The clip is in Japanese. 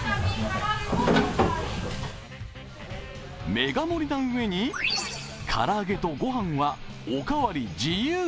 メガ盛りなうえに、唐揚げと御飯はおかわり自由。